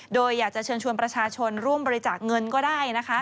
โดยอยากจะเชิญชวนประชาชนร่วมบริจาคเงินก็ได้นะคะ